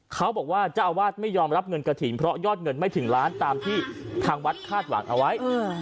เขาบอกว่าเจ้าอาวาสไม่ยอมรับเงินกระถิ่นเพราะยอดเงินไม่ถึงล้านตามที่ทางวัดคาดหวังเอาไว้